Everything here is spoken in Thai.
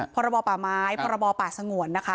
พรปไม้พรปสงวนนะคะ